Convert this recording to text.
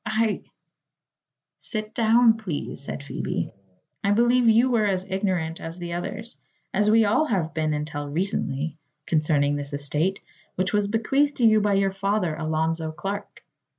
I " "Sit down, please," said Phoebe. "I believe you were as ignorant as the others as we all have been until recently concerning this estate, which was bequeathed you by your father, Alonzo Clark.